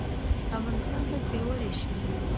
افغانستان باید پیاوړی شي.